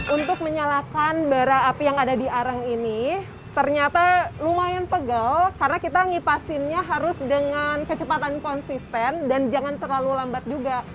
untuk menyalakan bara api yang ada di arang ini ternyata lumayan pegel karena kita ngipasinnya harus dengan kecepatan konsisten dan jangan terlalu lambat juga